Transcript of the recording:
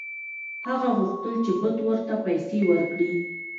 هغه غوښتل چې بت ورته پیسې ورکړي.